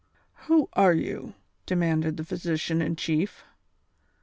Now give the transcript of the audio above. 199 " Who are you V " demanded the physician in chief.